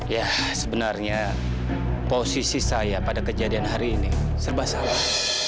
ya sebenarnya posisi saya pada kejadian hari ini serba salah